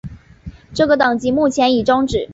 这个等级目前已终止。